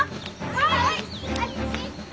はい！